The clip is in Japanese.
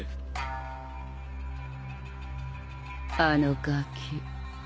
あのガキ